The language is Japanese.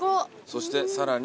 そしてさらに。